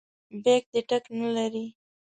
بیک دې ټک نه لري.